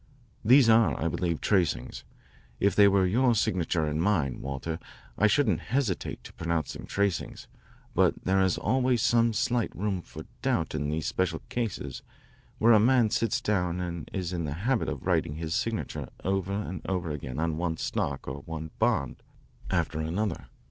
These are, I believe, tracings. If they were your signature and mine, Walter, I shouldn't hesitate to pronounce them tracings. But there is always some slight room for doubt in these special cases where a man sits down and is in the habit of writing his signature over and over again on one stock or bond after another.